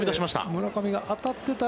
村上が当たってたら。